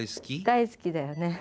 大好きだよね。